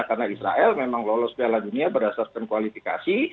karena israel memang lolos piala dunia berdasarkan kualifikasi